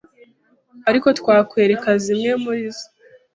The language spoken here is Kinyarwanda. ariko twakwereka zimwe muri zo